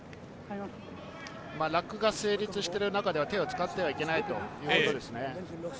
ラックが成立している中では手を使ってはいけないということですね。